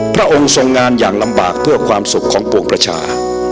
พระองค์ทรงงานอย่างลำบากเพื่อความสุขของปวงประชา